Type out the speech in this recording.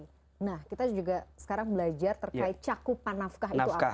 nah kita juga sekarang belajar terkait cakupan nafkah itu apa